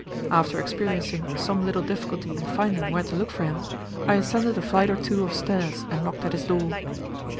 After experiencing some little difficulty in finding where to look for him, I ascended a flight or two of stairs and knocked at his door.